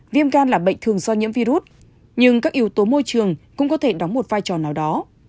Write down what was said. viêm gan là bệnh thường do nhiễm virus nhưng các yếu tố môi trường cũng có thể đóng một vai trò nào đó